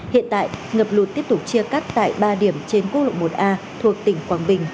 hiện tại ngập lụt tiếp tục chia cắt tại ba điểm trên quốc lộ một a thuộc tỉnh quảng bình